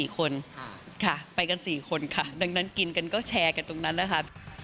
๔คนค่ะไปกัน๔คนค่ะดังนั้นกินกันก็แชร์กันตรงนั้นนะครับ